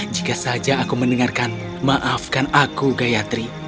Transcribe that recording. jika saja aku mendengarkan maafkan aku gayatri